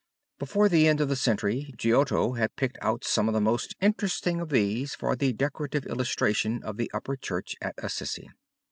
Before the end of the century Giotto had picked out some of the most interesting of these for the decorative illustration of the upper church at Assisi.